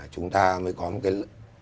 chúng ta mới có một cái